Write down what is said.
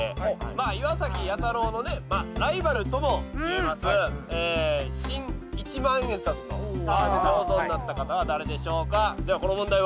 まあ岩崎弥太郎のねライバルともいえます新一万円札の肖像になった方は誰でしょうか？